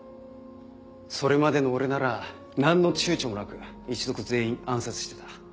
それまでの俺なら何の躊躇もなく一族全員暗殺してた。